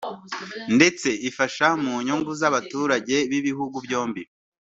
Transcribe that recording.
ndetse ifasha mu nyungu z’abaturage b’ibihugu byombi